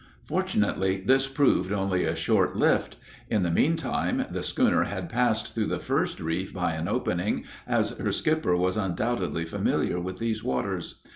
Fortunately, this proved only a short lift. In the mean time the schooner had passed through the first reef by an opening, as her skipper was undoubtedly familiar with these waters.